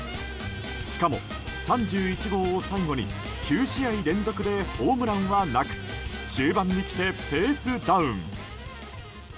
しかも、３１号を最後に９試合連続でホームランはなく終盤に来てペースダウン。